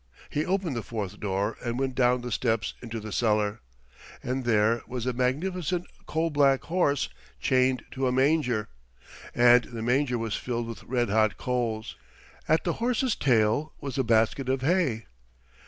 He opened the fourth door and went down the steps into the cellar, and there was a magnificent coal black horse chained to a manger, and the manger was filled with red hot coals. At the horse's tail was a basket of hay.